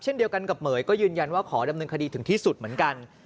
เช่นเดียวกันกับเหม๋ยก็ยืนยันว่าขอดำเนินคดีถึงที่สุดเหมือนกัน